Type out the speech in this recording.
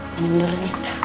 mending dulu nih